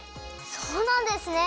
そうなんですね！